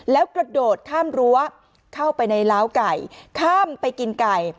แล้วกระโดดข้ามรั้วเข้าไปในล้าวไก่ข้ามไปกินไก่